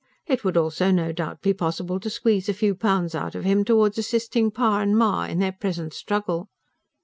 It would also, no doubt, be possible to squeeze a few pounds out of him towards assisting "pa and ma" in their present struggle.